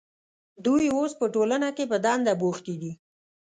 دوی اوس په ټولنه کې په دنده بوختې دي.